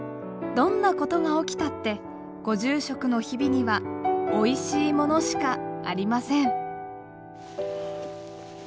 どんなことが起きたってご住職の日々にはおいしいものしかありません。